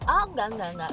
oh enggak enggak enggak